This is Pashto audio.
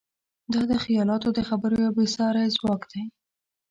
دا د خیالاتو د خبرو یو بېساری ځواک دی.